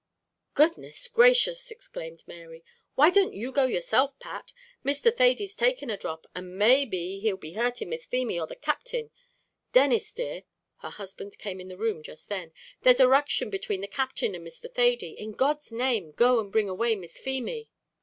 "Goodness gracious!" exclaimed Mary, "why don't you go yourself, Pat? Mr. Thady's taken a dhrop, and maybe he'll be hurting Miss Feemy or the Captain. Denis, dear," her husband came in the room just then, "there's a ruction between the Captain and Mr. Thady; in God's name go and bring away Miss Feemy!"